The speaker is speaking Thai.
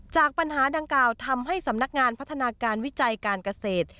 จากปัญหาดังกล่าวทำให้สำนักงานพัฒนาการวิจัยการเกษตร